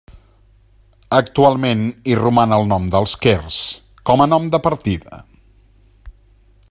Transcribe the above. Actualment hi roman el nom dels Quers, com a nom de partida.